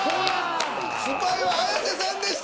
スパイは綾瀬さんでした！